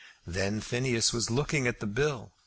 Then Phineas was left looking at the bill.